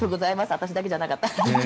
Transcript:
私だけじゃなかった。